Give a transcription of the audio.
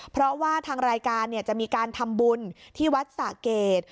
เพราะว่าทางรายการจะมีการทำบุญที่วัดสะเกด